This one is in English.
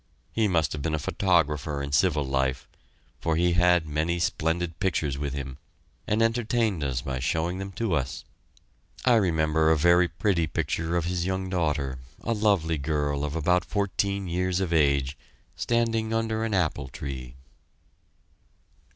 He must have been a photographer in civil life, for he had many splendid pictures with him, and entertained us by showing them to us. I remember one very pretty picture of his young daughter, a lovely girl of about fourteen years of age, standing under an apple tree.